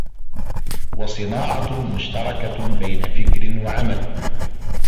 وَصِنَاعَةٌ مُشْتَرَكَةٌ بَيْنَ فِكْرٍ وَعَمَلٍ